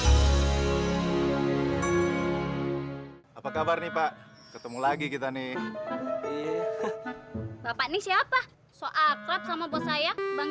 hai apa kabar nih pak ketemu lagi kita nih bapak ini siapa soal klub sama bos saya bang